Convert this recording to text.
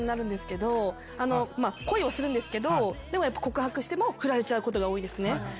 恋をするんですけどでもやっぱ告白しても振られちゃうことが多いですね。